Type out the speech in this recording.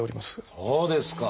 そうですか！